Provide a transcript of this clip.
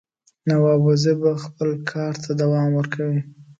نواب وزیر به خپل کارته دوام ورکوي.